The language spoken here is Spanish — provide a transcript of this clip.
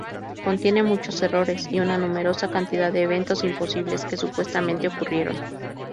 Contiene muchos errores y una numerosa cantidad de eventos imposibles que supuestamente ocurrieron.